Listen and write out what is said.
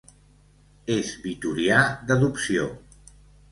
És vitorià d'adopció.